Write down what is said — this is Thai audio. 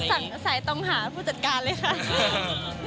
อาศัยตรงหาผู้จัดการเลยค่ะ